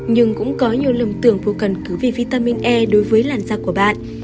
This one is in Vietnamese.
nhưng cũng có nhiều lầm tưởng vô cần cứ vì vitamin e đối với làn da của bạn